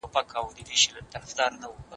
د ګرمۍ موسم و خو هغه ته یې هېڅ فکر نه و.